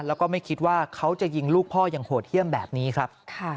แล้วก็ไม่คิดว่าเขาจะยิงลูกพ่ออย่างโหดเยี่ยมแบบนี้ครับ